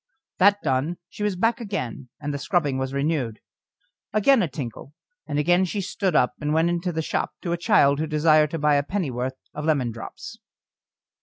That done, she was back again, and the scrubbing was renewed. Again a tinkle, and again she stood up and went into the shop to a child who desired to buy a pennyworth of lemon drops.